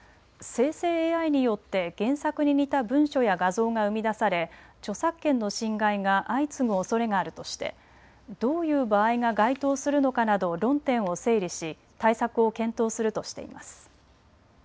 生成ＡＩによって原作に似た文書や画像が生み出され著作権の侵害が相次ぐおそれがあるとしてどういう場合が該当するのかなど論点を整理し対策を検討するとしています。